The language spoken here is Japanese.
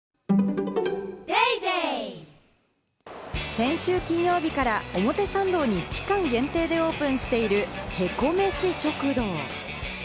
先週金曜日から表参道に期間限定でオープンしている凹メシ食堂。